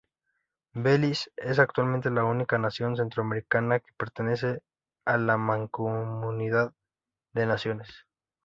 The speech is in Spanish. Belice es actualmente la única nación centroamericana que pertenece a la Mancomunidad de Naciones.